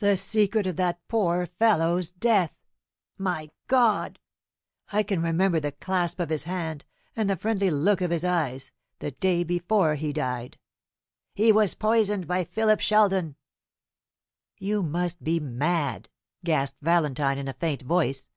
"The secret of that poor fellow's death. My God! I can remember the clasp of his hand, and the friendly look of his eyes, the day before he died. He was poisoned by Philip Sheldon!" "You must be mad!" gasped Valentine, in a faint voice.